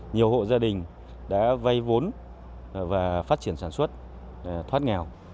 nhiều hộ gia đình đã vay vốn và phát triển sản xuất thoát nghèo